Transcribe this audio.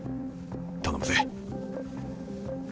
頼むぜ。